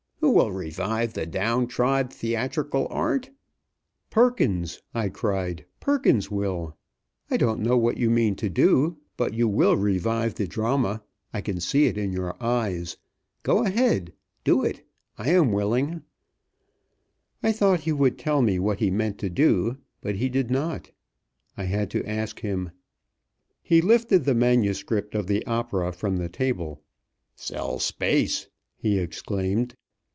Who will revive the down trod theatrical art?" "Perkins!" I cried. "Perkins will. I don't know what you mean to do, but you will revive the drama. I can see it in your eyes. Go ahead. Do it. I am willing." I thought he would tell me what he meant to do, but he did not. I had to ask him. He lifted the manuscript of the opera from the table. "Sell space!" he exclaimed.